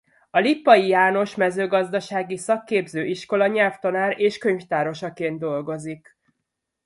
A Lippai János Mezőgazdasági Szakképző Iskola nyelvtanár- és könyvtárosaként dolgozik.